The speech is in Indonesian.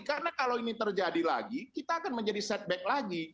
karena kalau ini terjadi lagi kita akan menjadi setback lagi